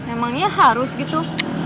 emangnya harus gitu